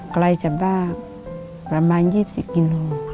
ใกล้จับบ้านประมาณ๒๐กิโลกรัม